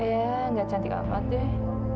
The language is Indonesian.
eh nggak cantik amat deh